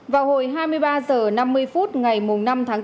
vào hồi hai mươi ba h năm mươi phút ngày năm tháng bốn